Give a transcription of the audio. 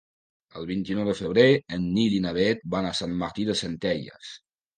El vint-i-nou de febrer en Nil i na Bet van a Sant Martí de Centelles.